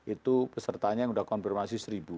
itu pesertanya yang sudah konfirmasi seribu